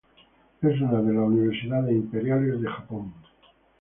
Es una de las universidades imperiales de Japón.